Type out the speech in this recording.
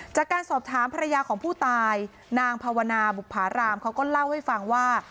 จากการสอบถามภรรยาของผู้ตายนางภาวนาบุภารามเขาก็เล่าให้ฟังว่า